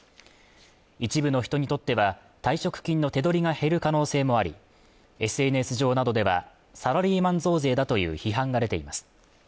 一部の人にとっては退職金の手取りが減る可能性もありＳＮＳ上などではサラリーマン増税だという批判が出ています